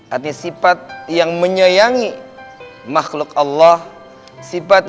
artinya sifat yang menyayangi dan menyayangi allah dan allah yang mengasihi kita